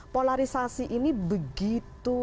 polarisasi ini begitu